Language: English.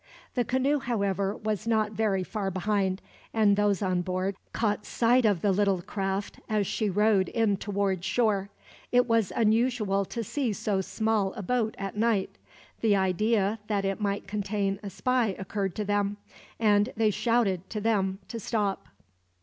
The canoe, however, was not very far behind; and those on board caught sight of the little craft, as she rowed in towards shore. It was unusual to see so small a boat at night. The idea that it might contain a spy occurred to them, and they shouted to them to stop.